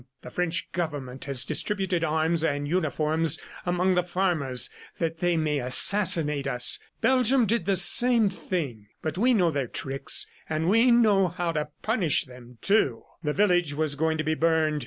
The French Government has distributed arms and uniforms among the farmers that they may assassinate us. ... Belgium did the same thing. ... But we know their tricks, and we know how to punish them, too!" The village was going to be burned.